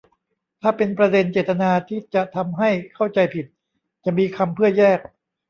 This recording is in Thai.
ถ้าเป็นประเด็นเจตนาที่จะทำให้เข้าใจผิด จะมีคำเพื่อแยก